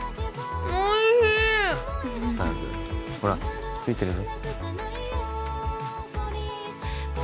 おいしいったくほらついてるぞ